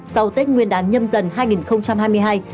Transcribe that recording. sau tết nguyên đán nhâm dần hai nghìn hai mươi hai